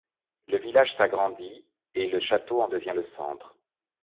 Le village s'agrandit est le château en devient le centre.